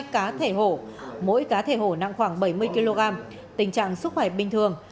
ba cá thể hổ mỗi cá thể hổ nặng khoảng bảy mươi kg tình trạng sức khỏe bình thường